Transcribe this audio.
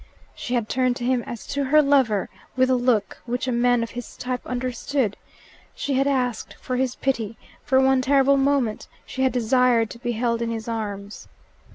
She had turned to him as to her lover; with a look, which a man of his type understood, she had asked for his pity; for one terrible moment she had desired to be held in his arms.